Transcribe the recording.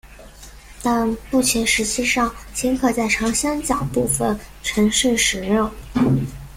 但目前实际上仅可在长三角部分城市使用。